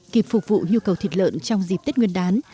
kịp phục vụ nhu cầu thịt lợn trong dịp tết nguyên đán